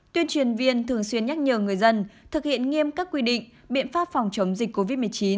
tuyên truyền viên thường xuyên nhắc nhở người dân thực hiện nghiêm các quy định biện pháp phòng chống dịch covid một mươi chín